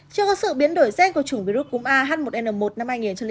chưa có sự biến đổi gen của chủng virus cúm ah một n một năm hai nghìn bốn